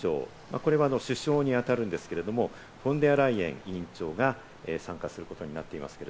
こちらは首相にあたるんですけれども、フォン・デア・ライエン委員長が参加することになっています。